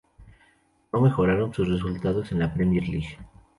No mejoraron sus resultados en la Premier League.